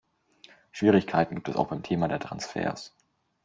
Schwierigkeiten gibt es auch beim Thema der Transfers.